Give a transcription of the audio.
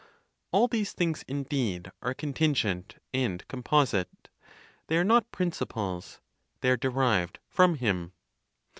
All these things, indeed are contingent and composite, they are not principles, they are derived from Him.